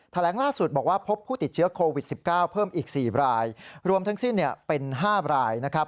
แถลงล่าสุดบอกว่าพบผู้ติดเชื้อโควิด๑๙เพิ่มอีก๔รายรวมทั้งสิ้นเป็น๕รายนะครับ